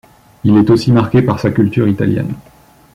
Il est aussi marqué par sa culture italienne.